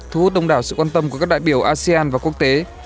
thu hút đông đảo sự quan tâm của các đại biểu asean và quốc tế